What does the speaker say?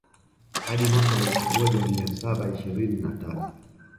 Hadi mwaka wa elfu moja mia saba ishirini na tano